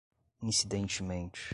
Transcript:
incidentemente